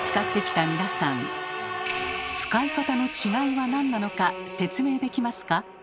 使い方の違いは何なのか説明できますか？